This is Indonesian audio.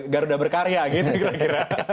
garuda berkarya gitu kira kira